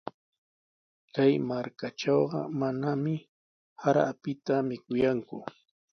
Kay markatrawqa manami sara apita mikuyanku.